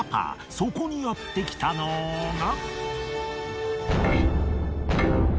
そこにやってきたのが。